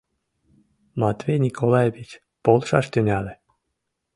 Матвей Николаевич полшаш тӱҥале.